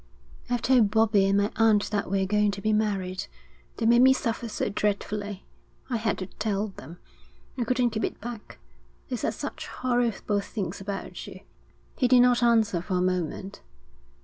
'I've told Bobbie and my aunt that we're going to be married. They made me suffer so dreadfully. I had to tell them. I couldn't keep it back, they said such horrible things about you.' He did not answer for a moment.